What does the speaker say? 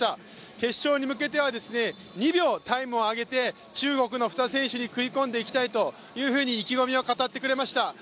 決勝に向けては、２秒タイムを上げて、中国の２選手に食い込んでいきたいと意気込みを語ってくれました。